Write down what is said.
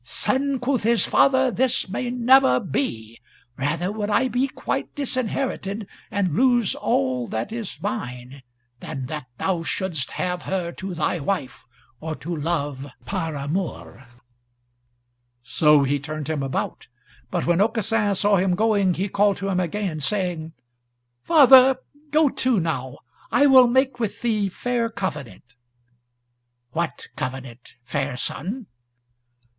"Son," quoth his father, "this may never be: rather would I be quite disinherited and lose all that is mine, than that thou shouldst have her to thy wife, or to love par amours." So he turned him about. But when Aucassin saw him going he called to him again, saying, "Father, go to now, I will make with thee fair covenant." "What covenant, fair son?"